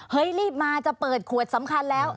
รีบมาจะเปิดขวดสำคัญแล้ว